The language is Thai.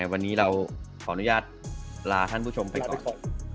วันนี้เราขออนุญาตลาท่านผู้ชมไปก่อน